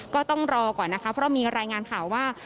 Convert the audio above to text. ก็ต้องรอก่อนนะคะเพราะมีรายงานข่าวว่า